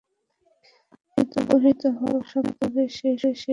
অপহৃত হওয়ার সপ্তাহ খানেক আগে সেই সময়ে আমার সঙ্গে তার দেখা।